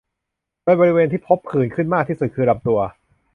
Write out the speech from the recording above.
โดยบริเวณที่พบผื่นขึ้นมากที่สุดคือลำตัว